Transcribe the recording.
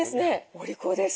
お利口です。